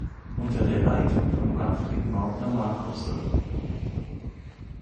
Unter der Leitung von Manfred Mautner Markhof sen.